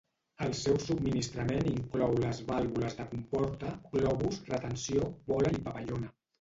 El seu subministrament inclou les vàlvules de comporta, globus, retenció, bola i papallona.